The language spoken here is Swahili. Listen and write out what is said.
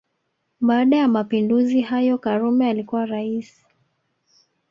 Baada ya Mapinduzi hayo karume alikuwa Rais